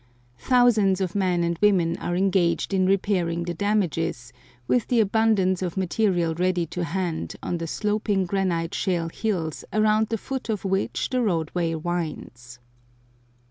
Thousands of men and women are engaged in repairing the damages with the abundance of material ready to hand on the sloping granite shale hills around the foot of which the roadway winds.